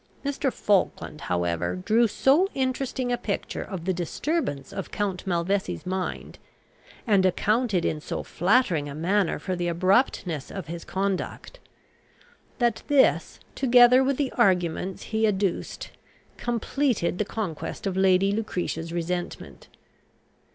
Mr. Falkland, however, drew so interesting a picture of the disturbance of Count Malvesi's mind, and accounted in so flattering a manner for the abruptness of his conduct, that this, together with the arguments he adduced, completed the conquest of Lady Lucretia's resentment.